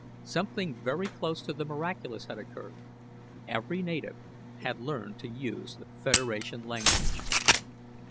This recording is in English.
Something very close to the miraculous had occurred. Every native had learned to use the Federation language.